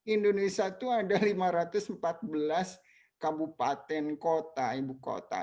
indonesia itu ada lima ratus empat belas kabupaten kota ibu kota